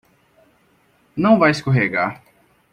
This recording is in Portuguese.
Não vai escorregar